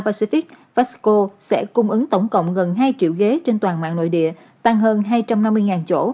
pacitic vasco sẽ cung ứng tổng cộng gần hai triệu ghế trên toàn mạng nội địa tăng hơn hai trăm năm mươi chỗ